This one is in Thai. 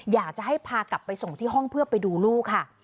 อยากจะให้พากลับไปส่งที่ห้องเพื่อไปดูลูกค่ะ